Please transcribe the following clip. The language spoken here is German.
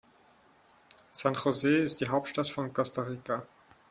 San José ist die Hauptstadt von Costa Rica.